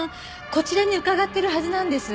こちらに伺ってるはずなんです。